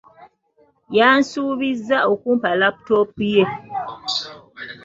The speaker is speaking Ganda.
Yansuubiza okumpa laputopu ye.